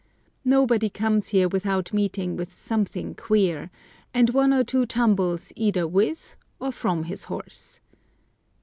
Nobody comes here without meeting with something queer, and one or two tumbles either with or from his horse.